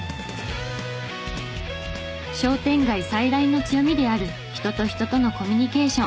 商店街最大の強みである人と人とのコミュニケーション。